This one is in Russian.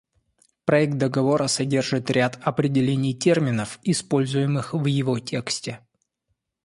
Проект договора содержит ряд определений терминов, используемых в его тексте.